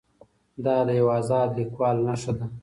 دا د یو ازاد لیکوال نښه ده.